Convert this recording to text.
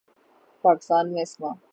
پاکستان میں اسما